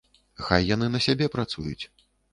Хай яны на сябе працуюць.